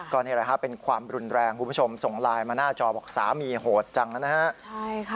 ก่อนที่ไรเป็นความรุนแรงคุณผู้ชมส่งไลน์มาหน้าจอบอกสามีโหดจังนะครับ